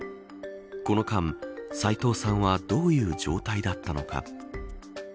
この間、斎藤さんはどういう状態だったのか。